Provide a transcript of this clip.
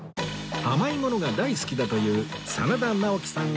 甘いものが大好きだという真田ナオキさん